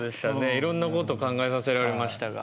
いろんなこと考えさせられましたが。